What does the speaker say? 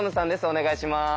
お願いします。